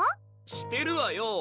してるわよ